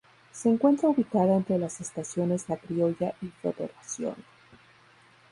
Se encuentra ubicada entre las estaciones La Criolla y Federación.